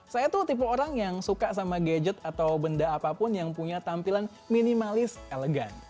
saya tuh tipe orang yang suka sama gadget atau benda apapun yang punya tampilan minimalis elegan